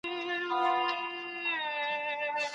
ایا ړوند ډاکټر په ګڼ ځای کي اوږده کیسه وکړه؟